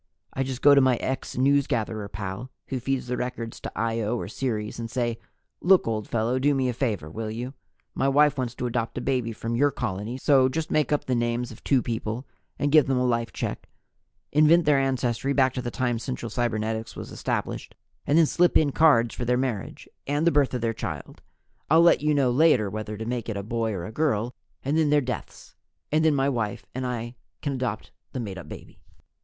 "I just go to my ex newsgatherer pal who feeds the records to Io or Ceres and say, 'Look, old fellow, do me a favor, will you? My wife wants to adopt a baby from your colony, so just make up the names of two people and give them a life check, invent their ancestors back to the time Central Cybernetics was established, and then slip in cards for their marriage, and the birth of their child I'll let you know later whether to make it a boy or a girl and then their deaths; and then my wife and I can adopt that made up baby.'